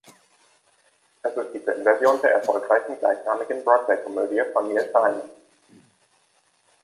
Es ist die Filmversion der erfolgreichen gleichnamigen Broadway-Komödie von Neil Simon.